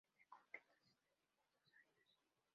Este conflicto se extendió por dos años.